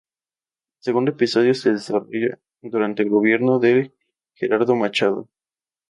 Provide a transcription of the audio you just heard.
El segundo episodio se desarrolla durante el gobierno de Gerardo Machado.